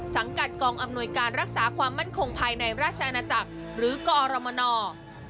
สังกัดกองอำนวยการรักษาความมั่นคงภายในราชอาณาจักรหรือกอรมน